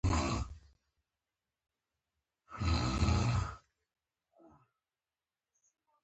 لسم فصل شروع شو، د پیښو تفصیل روان وو.